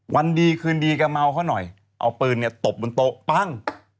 วันดีคืนดีกับเมาเค้าหน่อยเอาปืนตบบนโต๊ะปั้ง